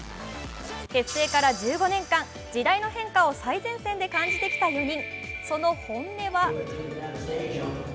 結成から１５年間、時代の変化を最前線で感じてきた４人。